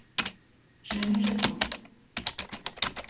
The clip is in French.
J’aime et j’attends.